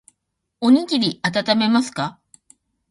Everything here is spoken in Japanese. おにぎりあたためますか。